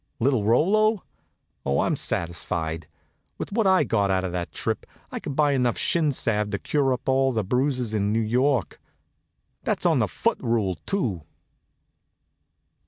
Little Rollo? Oh, I'm satisfied. With what I got out of that trip I could buy enough shin salve to cure up all the bruises in New York. That's on the foot rule, too.